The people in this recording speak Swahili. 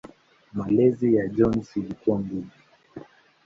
Malezi ya Jones ilikuwa ngumu.